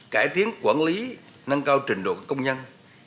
cải tiến quản lý nâng cao trình độ công nhân